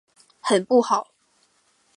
很不好！